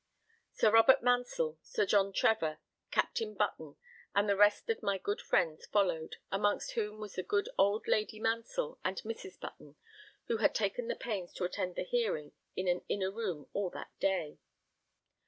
Sir Robert Mansell, Sir John Trevor, Captain Button, and the rest of my good friends followed, amongst whom was the good old Lady Mansell and Mrs. Button, who had taken the pains to attend the hearing in an inner room all that day.